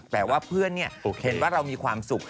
แต่ว่าเพื่อนเห็นว่าเรามีความสุข